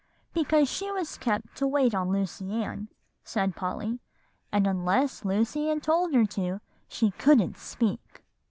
"Because she was kept to wait on Lucy Ann," said Polly; "and unless Lucy Ann told her to, she couldn't speak."